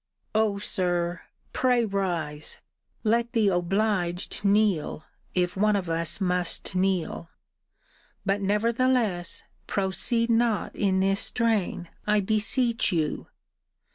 O Sir, pray rise! Let the obliged kneel, if one of us must kneel! But, nevertheless, proceed not in this strain, I beseech you.